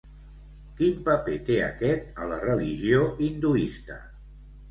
Quin paper té aquest a la religió hinduista?